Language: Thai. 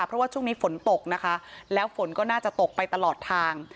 เพราะว่าช่วงนี้ฝนตกนะคะแล้วฝนก็น่าจะตกไปตลอดทาง